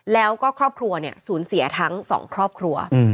แล้วก็ครอบครัวเนี่ยศูนย์เสียทั้งสองครอบครัว